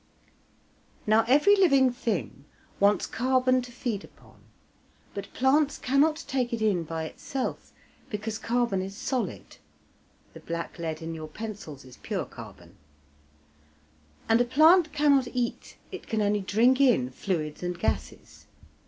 Now, every living things wants carbon to feed upon, but plants cannot take it in by itself, because carbon is solid (the blacklead in your pencils is pure carbon), and a plant cannot eat, it can only drink in fluids and gases.